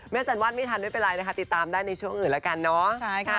จันวาดไม่ทันไม่เป็นไรนะคะติดตามได้ในช่วงอื่นแล้วกันเนาะ